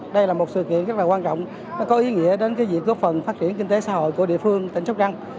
đây là một sự kiện rất là quan trọng có ý nghĩa đến việc góp phần phát triển kinh tế xã hội của địa phương tỉnh sóc trăng